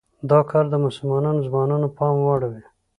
دا کار د مسلمانو ځوانانو پام واړوي.